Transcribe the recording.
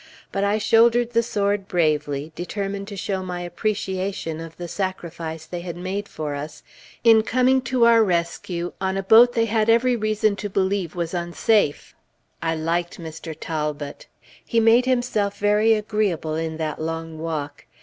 But I shouldered the sword bravely, determined to show my appreciation of the sacrifice they had made for us, in coming to our rescue on a boat they had every reason to believe was unsafe. I liked Mr. Talbot! He made himself very agreeable in that long walk.